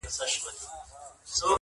چي په سترګو ورته ګورم په پوهېږم -